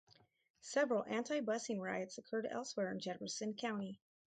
Several anti-busing riots occurred elsewhere in Jefferson County.